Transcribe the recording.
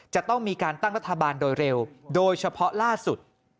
จะต้องมีการตั้งรัฐบาลโดยเร็วโดยเฉพาะล่าสุด